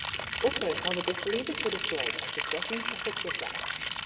Also how the disbelievers were destroyed after threatening prophets with death.